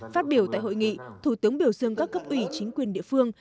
phát biểu tại hội nghị thủ tướng biểu dương các cấp ủy chính quyền địa phương